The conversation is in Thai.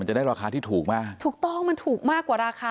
จะได้ราคาที่ถูกมากถูกต้องมันถูกมากกว่าราคา